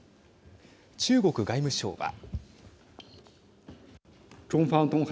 中国外務省は。